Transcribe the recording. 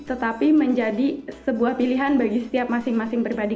tetapi menjadi sebuah pilihan bagi setiap masing masing pribadi